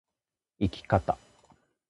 生き方